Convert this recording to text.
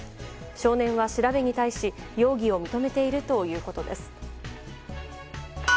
少年は調べに対し容疑を認めているということです。